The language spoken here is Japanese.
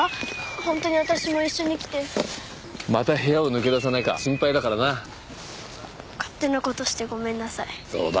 ほんとに私も一緒に来てまた部屋を抜け出さないか心配だからな勝手なことしてごめんなさいそうだ